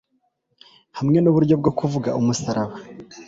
Hamwe n’uburyo bwo kuvuga umusaraba